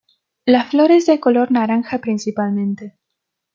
La flor es de color naranja principalmente.